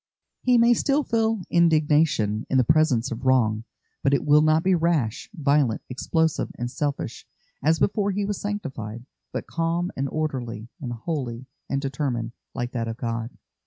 He may still feel indignation in the presence of wrong, but it will not be rash, violent, explosive, and selfish, as before he was sanctified, but calm and orderly, and holy, and determined, like that of God.